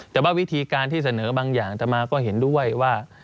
แต่ว่าวิธีการที่เสนอบางอย่างต่อมาก็เห็นด้วยว่า